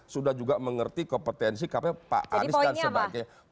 sudah juga mengerti kompetensi pak anies dan sebagainya